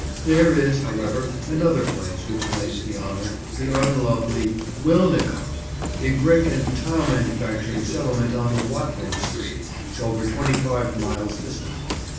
There is, however, another place which claims the honour; the unlovely Wilnecote, a brick and tile manufacturing settlement on the Watling Street, over twenty five miles distant.